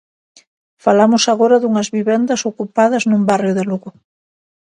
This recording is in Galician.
Falamos agora dunhas vivendas ocupadas nun barrio de Lugo.